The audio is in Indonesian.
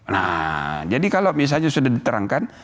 nah jadi kalau misalnya sudah diterangkan